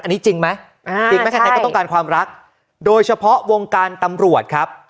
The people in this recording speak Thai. อันนี้จริงไหมจริงไหมใครก็ต้องการความรักโดยเฉพาะวงการตำรวจครับ